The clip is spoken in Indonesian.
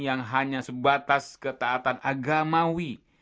yang hanya sebatas ketaatan agamawi